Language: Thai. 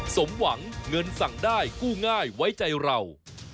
สมหวังเงินสั่งได้กู้ง่ายไว้ใจเรา